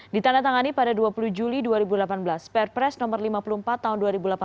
ditandatangani pada dua puluh juli dua ribu delapan belas perpres nomor lima puluh empat tahun dua ribu delapan belas